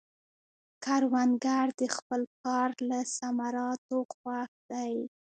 کروندګر د خپل کار له ثمراتو خوښ دی